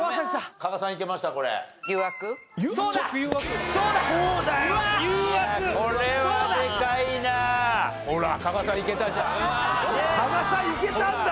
加賀さんいけたんだ！